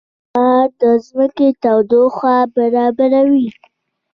• لمر د ځمکې تودوخه برابروي.